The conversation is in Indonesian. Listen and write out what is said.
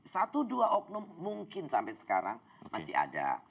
satu dua oknum mungkin sampai sekarang masih ada